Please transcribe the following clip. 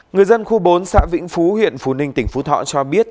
người dân khu bốn xã vĩnh phú huyện phú ninh tỉnh phú thọ cho biết